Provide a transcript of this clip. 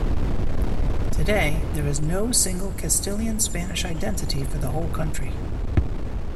Today, there is no single Castilian–Spanish identity for the whole country.